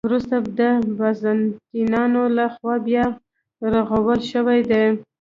وروسته د بازنطینانو له خوا بیا رغول شوې دي.